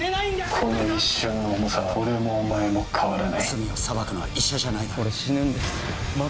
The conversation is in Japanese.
この一瞬の重さは俺もお前も変わらない罪を裁くのは医者じゃないだろ俺死ぬんですまだ